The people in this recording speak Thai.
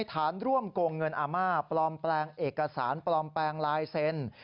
ฐานร่วมโกงเงินอาม่าปลอมแปลงเอกสารปลอมแปลงลายเซ็นต์